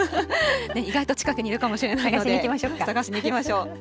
意外と近くにいるかもしれないので、探しに行きましょう。